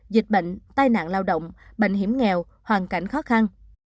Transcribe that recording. dịch bệnh tai nạn lao động bệnh hiểm nghèo hoàn cảnh khó khăn